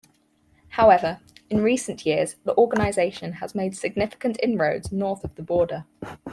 However, in recent years the organization has made significant inroads north of the border.